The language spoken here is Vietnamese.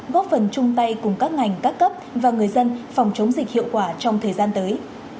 góp phần chung tay cùng các ngành các cấp và người dân phòng chống dịch hiệu quả trong thời gian tới